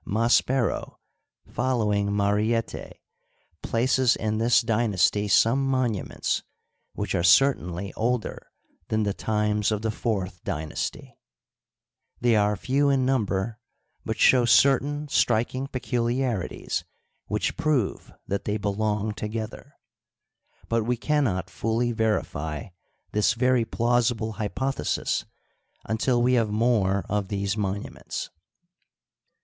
— Maspero, following Mariette, places in this dynasty some monuments, which are certainly older than the times of the fourth dynasty. They are few in number, but show certain striking pecul iarities which prove that they belong together. But we can not fully verify this very plausible hypothesis until we have more of these monuments.